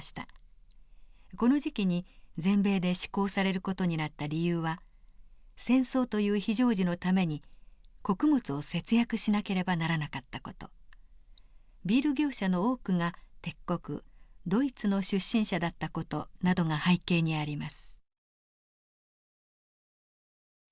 この時期に全米で施行される事になった理由は戦争という非常時のために穀物を節約しなければならなかった事ビール業者の多くが敵国ドイツの出身者だった事などが背景にあります。